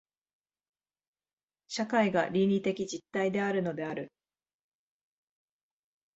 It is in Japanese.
社会が倫理的実体であるのである。